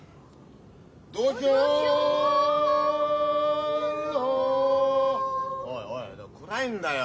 「土俵の」おいおい暗いんだよ。